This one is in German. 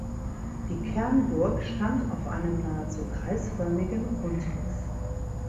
Die Kernburg stand auf einem nahezu kreisförmigen Grundriss.